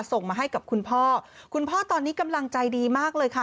ส่งมาให้กับคุณพ่อคุณพ่อตอนนี้กำลังใจดีมากเลยค่ะ